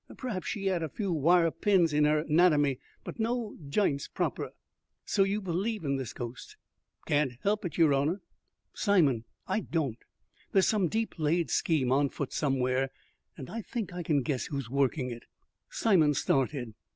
Perhaps she 'ad a few wire pins in her 'natomy; but no j'ints proper." "So you believe in this ghost?" "Can't help it, yer honour." "Simon, I don't. There's some deep laid scheme on foot somewhere; and I think I can guess who's working it." Simon started.